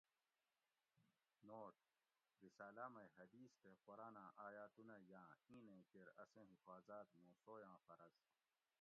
نوٹ: رساۤلاۤ مئ حدیث تے قرآناۤں آیاتونہ یاۤں اِینیں کیر اسیں حفاظاۤت موُں سویاں فرض